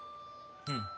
うん。